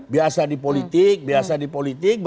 biasa di politik biasa di politik